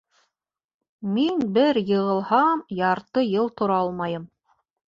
Мин бер йығылһам, ярты йыл тора алмайым.